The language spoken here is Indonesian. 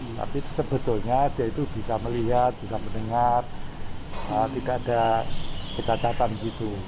tapi sebetulnya dia itu bisa melihat bisa mendengar tidak ada kecacatan begitu